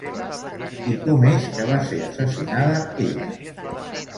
I com és que va ser assassinada ella?